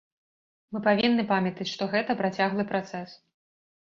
Мы павінны памятаць, што гэта працяглы працэс.